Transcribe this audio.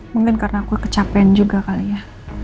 mungkin karena aku kecapean juga kali ya